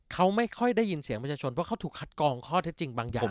เขาไม่ค่อยได้ยินเสียงประชาชนเพราะเขาถูกคัดกองข้อเท็จจริงบางอย่าง